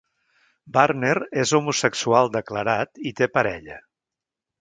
Varner és homosexual declarat i té parella.